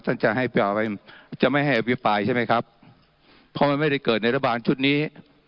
ท่านจะให้จะไม่ให้อภิปรายใช่ไหมครับเพราะมันไม่ได้เกิดในรัฐบาลชุดนี้